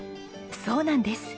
そうなんです。